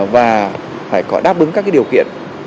và phải có đáp ứng các điều kiện